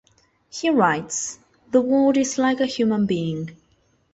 He writes, The world is like a human being.